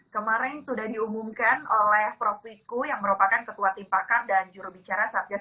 kemarin sudah diumumkan oleh prof wiku yang merupakan ketua tim pakar dan jurubicara satgas